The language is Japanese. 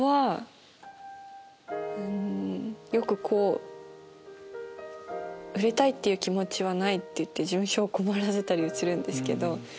よく「売れたいっていう気持ちはない」って言って事務所を困らせたりするんですけど。